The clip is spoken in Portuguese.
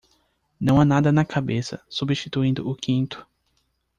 Não há nada na cabeça, substituindo o quinto.